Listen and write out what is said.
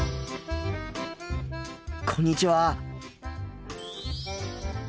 こんにちは。